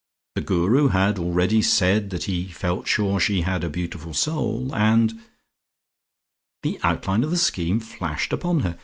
The Guru had already said that he felt sure she had a beautiful soul, and The outline of the scheme flashed upon her.